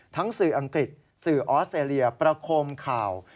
สื่ออังกฤษสื่อออสเตรเลียประคมข่าว